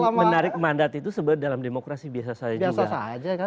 soal menarik mandat itu dalam demokrasi biasa saja juga